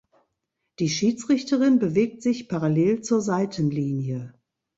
Die Schiedsrichterin bewegt sich parallel zur Seitenlinie.